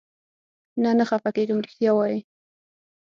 نه، نه خفه کېږم، رښتیا وایې؟